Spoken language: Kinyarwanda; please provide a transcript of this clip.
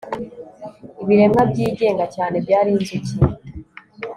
ibiremwa byigenga cyane byari inzuki